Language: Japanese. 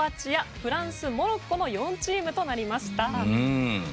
フランス、モロッコの４チームとなりました。